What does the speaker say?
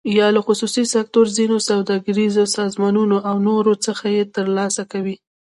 یا له خصوصي سکتور، ځینو سوداګریزو سازمانونو او نورو څخه یې تر لاسه کوي.